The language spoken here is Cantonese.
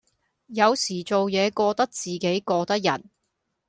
有時做野過得自己過得人